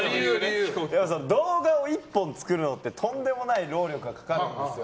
動画を１本作るのってとんでもない労力がかかるんですよ。